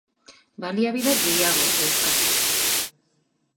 Baliabide gehiago euskaraz.